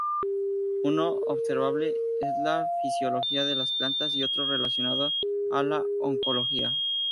Uno observable en la fisiología de las plantas y otro relacionado a la oncología.